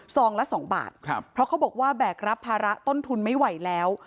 ละสองบาทครับเพราะเขาบอกว่าแบกรับภาระต้นทุนไม่ไหวแล้ว